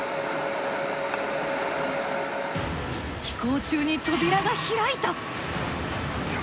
飛行中に扉が開いた！